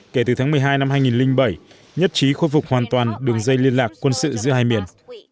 kể từ tháng một mươi hai năm hai nghìn bảy nhất trí khôi phục hoàn toàn đường dây liên lạc quân sự giữa hai miền